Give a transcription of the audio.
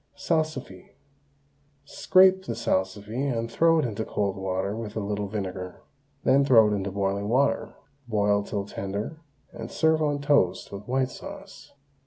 SALSIFY. Scrape the salsify and throw it into cold water with a little vinegar. Then throw it into boiling water, boil til tender, and serve on toast with white sauce.